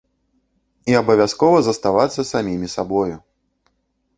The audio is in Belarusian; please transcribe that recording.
І абавязкова заставацца самімі сабою!